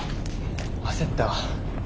焦ったわ。